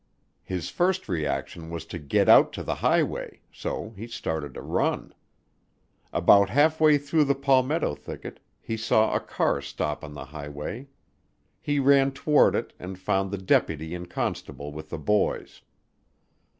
His first reaction was to get out to the highway, so he started to run. About halfway through the palmetto thicket he saw a car stop on the highway. He ran toward it and found the deputy and constable with the boys.